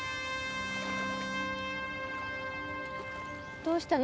どうしたの？